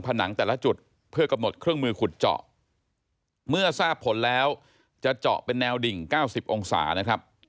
ผนังแต่ละจุดเพื่อกำหนดเครื่องมือขุดเจาะเมื่อทราบผลแล้วจะเจาะเป็นแนวดิ่ง๙๐องศานะครับ